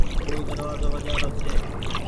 ڪوئي دروآزو وجهآ رو ڇي